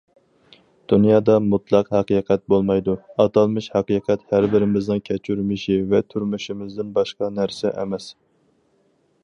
دۇنيادا مۇتلەق ھەقىقەت بولمايدۇ، ئاتالمىش ھەقىقەت ھەربىرىمىزنىڭ كەچۈرمىشى ۋە تونۇشىمىزدىن باشقا نەرسە ئەمەس.